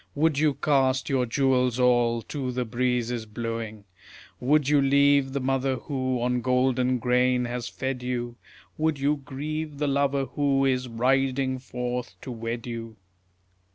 Would you cast your jewels all to the breezes blowing? Would you leave the mother who on golden grain has fed you? Would you grieve the lover who is riding forth to wed you?